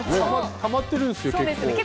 たまってるんですよ、結構。